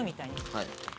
はい。